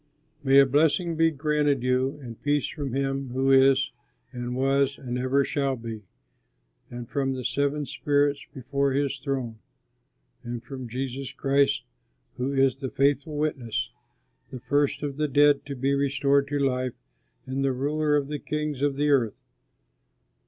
May a blessing be granted you and peace from him who is and was and ever shall be, and from the seven spirits before his throne, and from Jesus Christ who is the faithful witness, the first of the dead to be restored to life and the ruler of the kings of the earth.